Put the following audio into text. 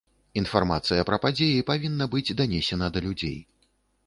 Інфармацыя пра падзеі павінна быць данесена да людзей.